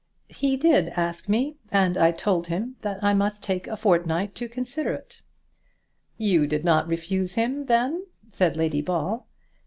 "He did ask me, and I told him that I must take a fortnight to consider of it." "You did not refuse him, then?" said Lady Ball.